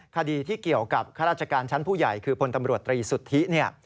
คดีที่เกี่ยวกับข้าราชการชั้นผู้ใหญ่คือพลตำรวจตรีสุทธิเนี่ย